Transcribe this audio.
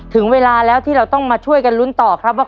ถึงเวลาแล้วที่เราต้องมาช่วยกันลุ้นต่อครับว่า